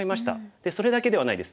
でそれだけではないです。